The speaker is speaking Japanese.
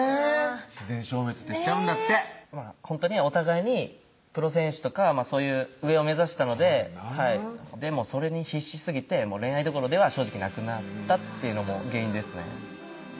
自然消滅ってしちゃうんだってほんとにお互いにプロ選手とかそういう上を目指してたのでそれに必死すぎて恋愛どころでは正直なくなったっていうのも原因ですね